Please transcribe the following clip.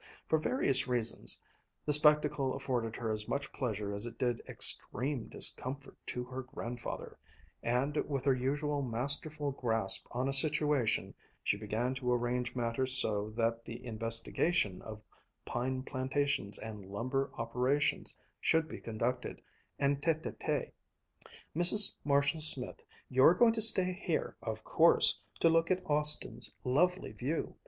For various reasons, the spectacle afforded her as much pleasure as it did extreme discomfort to her grandfather, and with her usual masterful grasp on a situation she began to arrange matters so that the investigation of pine plantations and lumber operations should be conducted en tête à tête. "Mrs. Marshall Smith, you're going to stay here, of course, to look at Austin's lovely view!